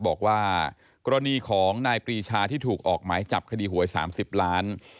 บอกว่ากรณีของนายปรีชาที่ถูกออกหมายจับคดีหวย๓๐ล้าน